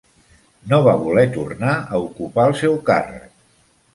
No va voler tornar a ocupar el seu càrrec.